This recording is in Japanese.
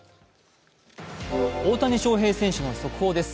大谷翔平選手の速報です。